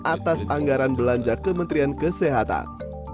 atas anggaran belanja kementerian kesehatan